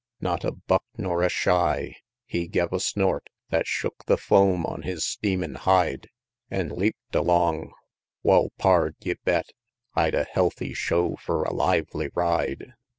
Not a buck nor a shy! he gev a snort Thet shook the foam on his steamin' hide, An' leap'd along Wal, pard, ye bet I'd a healthy show fur a lively ride.